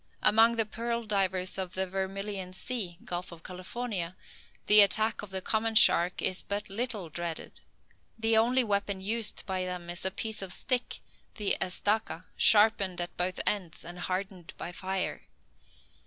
Among the pearl divers of the Vermilion Sea (Gulf of California), the attack of the common shark is but little dreaded. The only weapon used by them is a piece of stick (the estaca), sharpened at both ends, and hardened by fire.